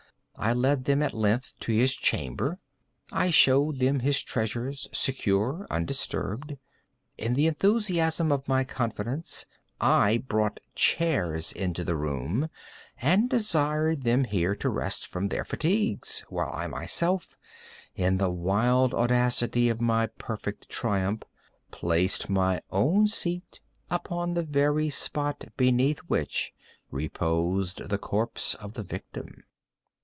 I led them, at length, to his chamber. I showed them his treasures, secure, undisturbed. In the enthusiasm of my confidence, I brought chairs into the room, and desired them here to rest from their fatigues, while I myself, in the wild audacity of my perfect triumph, placed my own seat upon the very spot beneath which reposed the corpse of the victim.